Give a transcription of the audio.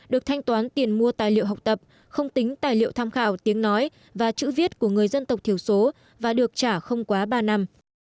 được thanh toán tiền mua tài liệu học tập không tính tài liệu tham khảo tiếng nói và chữ viết của người dân tộc thiểu số và được trả không quá ba năm